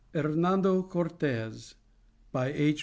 HERNANDO CORTES By H.